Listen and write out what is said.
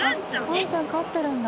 わんちゃん飼ってるんだ。